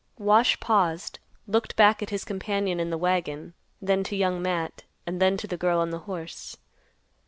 Wash paused, looked back at his companion in the wagon; then to Young Matt, and then to the girl on the horse.